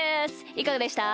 いかがでした？